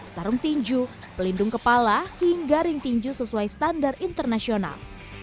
sarung tinju pelindung kepala hingga ring tinju sesuai standar internasional